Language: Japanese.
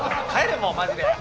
もうマジで。